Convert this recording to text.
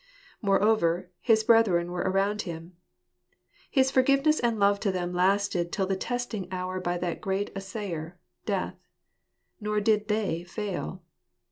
Moreover , his brethren were around hwi. His forgiveness and love to them lasted till the testing hour by that great assayer, Death. Nor did they fail.